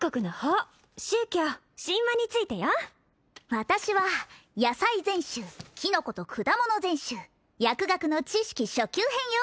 私は「野菜全集」「キノコと果物全集」「薬学の知識初級編」よ